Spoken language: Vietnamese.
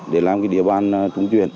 để làm cái địa bàn trung truyền